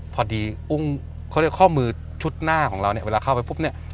พอดีอุ้งข้อมือชุดหน้าของเราเวลาเข้าไปปุ๊บเนี่ย